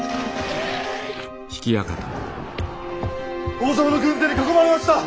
北条の軍勢に囲まれました！